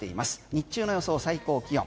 日中の予想最高気温。